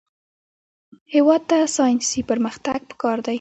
هېواد ته ساینسي پرمختګ پکار دی